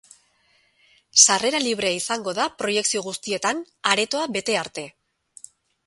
Sarrera librea izango da proiekzio guztietan, aretoa bete arte.